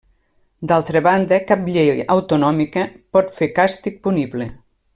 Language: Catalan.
D’altra banda cap llei autonòmica pot fer càstig punible.